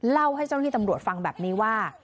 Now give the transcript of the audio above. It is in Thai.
เล่าให้เจ้าหน้าที่ตำรวจฟังแบบนี้ว่า